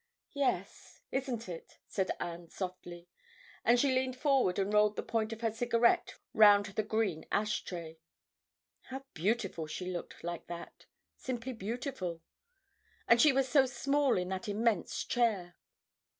"Yes—isn't it?" said Anne softly, and she leaned forward and rolled the point of her cigarette round the green ash tray. How beautiful she looked like that!—simply beautiful—and she was so small in that immense chair.